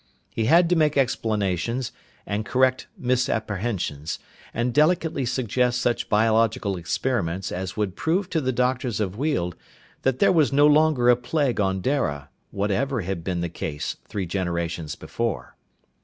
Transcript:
He had to make explanations, and correct misapprehensions, and delicately suggest such biological experiments as would prove to the doctors of Weald that there was no longer a plague on Dara, whatever had been the case three generations before.